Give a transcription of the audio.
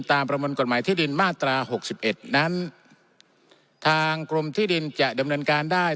ประมวลกฎหมายที่ดินมาตราหกสิบเอ็ดนั้นทางกรมที่ดินจะดำเนินการได้